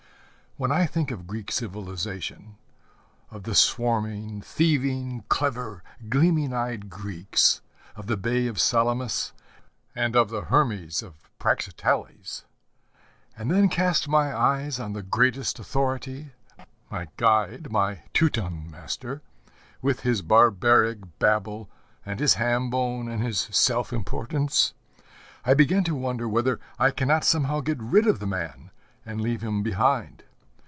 When I think of Greek civilization, of the swarming, thieving, clever, gleaming eyed Greeks, of the Bay of Salamis, and of the Hermes of Praxiteles, and then cast my eyes on the Greatest Authority, my guide, my Teuton master, with his barbarian babble and his ham bone and his self importance, I begin to wonder whether I cannot somehow get rid of the man and leave him behind.